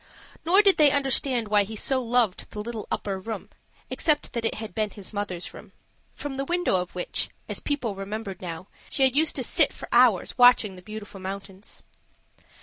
Nor did they understand why he loved so the little upper room, except that it had been his mother's room, from the window of which, as people remembered now, she had used to sit for hours watching the Beautiful Mountains.